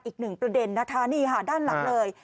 อีกหนึ่งประเด็นนะคะนี่ค่ะด้านหลังเลย